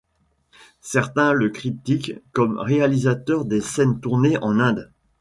Certains le créditent comme réalisateur des scènes tournées en Inde.